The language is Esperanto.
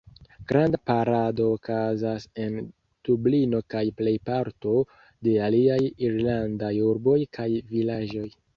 Granda parado okazas en Dublino kaj plejparto de aliaj Irlandaj urboj kaj vilaĝoj.